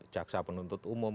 jaksa penuntut umum